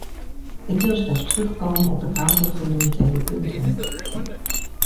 Ik wil slechts terugkomen op een aantal fundamentele punten.